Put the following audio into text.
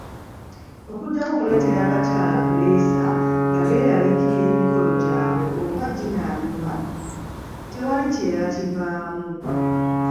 Okuggyako okuleetera abakyala puleesa nga beeraliikirira emikolo gyabwe oba ginaanyuma, tewali kirala kivaamu.